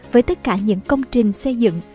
với tất cả những công trình xây dựng